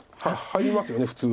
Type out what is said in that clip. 入りますよね普通。